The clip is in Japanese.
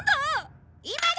今だ！